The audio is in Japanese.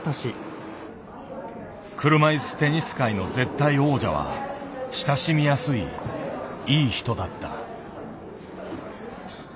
車いすテニス界の絶対王者は親しみやすいいい人だった。